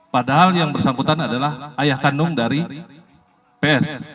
padahal yang bersangkutan adalah ayah kandung dari ps